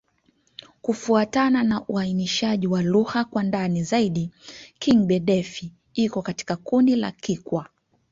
Kufuatana na uainishaji wa lugha kwa ndani zaidi, Kigbe-Defi iko katika kundi la Kikwa.